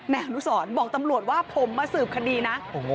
นายอนุสรบอกตำรวจว่าผมมาสืบคดีนะ